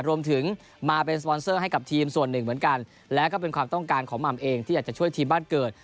รวมถึงมาเป็นสปอนเซอร์ให้กับทีมส่วนหนึ่งเหมือนกันและก็เป็นความต้องการของหม่ำเองที่อยากจะช่วยทีมบ้านเกิด